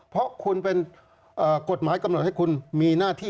เพราะคุณเป็นกฎหมายกำหนดให้คุณมีหน้าที่